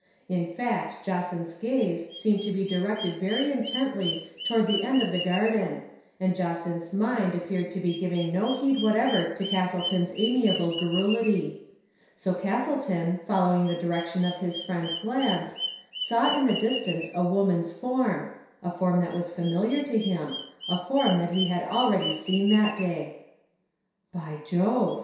In fact, Jacynth's gaze seemed to be. directed very intently toward the end of the garden, and Jacynth's mind appeared to be giving no heed whatever to Castleton's amiable garrulity. So Castleton, following the direction of his friend's glance, saw in the distance a woman's form, a form that was familiar to him, a form that he had already seen that da3\ "By Jove!"